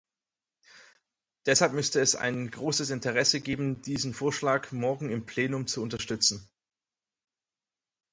Deshalb müsste es ein großes Interesse geben, diesen Vorschlag morgen im Plenum zu unterstützen.